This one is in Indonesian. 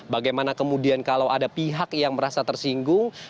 bagaimana kemudian kalau ada pihak yang merasa tersinggung